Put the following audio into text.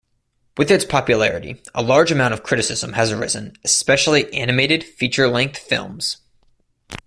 With its popularity, a large amount of criticism has arisen, especially animated feature-length films.